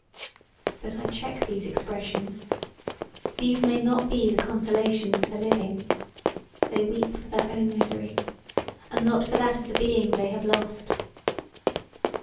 But I check these expressions; these may not be the consolations of the living; they weep for their own misery, and not for that of the being they have lost.